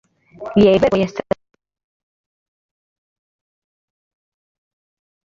Liaj verkoj estas videblaj ankaŭ en muzeoj de Budapeŝto, Romo, Novjorko.